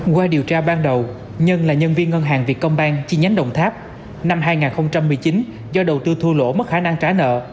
qua điều tra ban đầu nhân là nhân viên ngân hàng việt công bang chi nhánh đồng tháp năm hai nghìn một mươi chín do đầu tư thua lỗ mất khả năng trả nợ